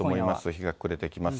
日が暮れてきます。